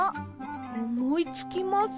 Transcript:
おもいつきません。